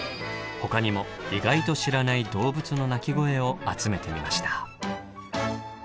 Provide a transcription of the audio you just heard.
ほかにも意外と知らない動物の鳴き声を集めてみました。